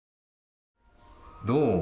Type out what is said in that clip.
どう？